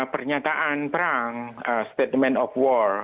pernyataan perang statement of war